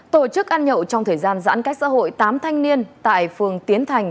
tổ chức ăn nhậu trong thời gian giãn cách xã hội tám thanh niên tại phường tiến thành